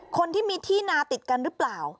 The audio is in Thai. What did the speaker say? คนที่มีที่นาติดกันหรือเปล่า